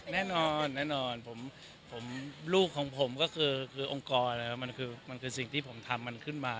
แน่นอนลูกของผมก็คือองค์กรมันคือสิ่งที่ผมทำมันขึ้นมา